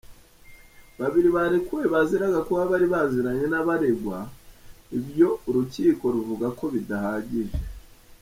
Babiri barekuwe baziraga kuba bari baziranbye n’abaregwa ibyo urukiko ruvuga ko bidahagije.